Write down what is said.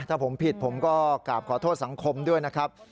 ถ้าผมผิดผมก็กราบขอโทษสังคมด้วยนะครับ